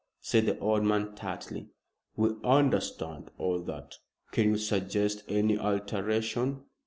said the old man tartly. "We understand all that. Can you suggest any alteration?"